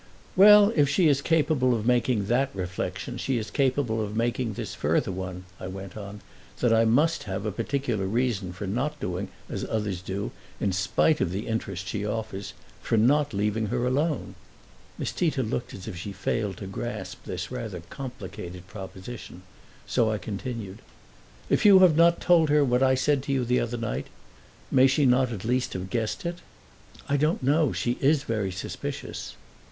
"Well, if she is capable of making that reflection she is capable of making this further one," I went on: "that I must have a particular reason for not doing as others do, in spite of the interest she offers for not leaving her alone." Miss Tita looked as if she failed to grasp this rather complicated proposition; so I continued, "If you have not told her what I said to you the other night may she not at least have guessed it?" "I don't know; she is very suspicious."